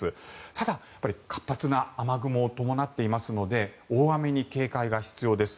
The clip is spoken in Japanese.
ただ活発な雨雲を伴っていますので大雨に警戒が必要です。